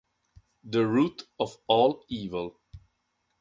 The Root of All Evil